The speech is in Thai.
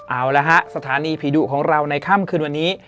เอาละฮะสถานีผีดุของเราในค่ำคืนวันนี้